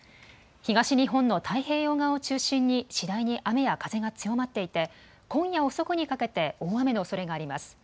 東日本の太平洋側を中心に次第に雨や風が強まっていて今夜遅くにかけて大雨のおそれがあります。